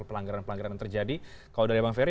pelanggaran pelanggaran yang terjadi kalau dari bang ferr